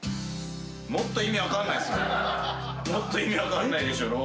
もっと意味分かんないっす。